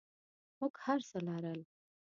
موږ هرڅه لرل.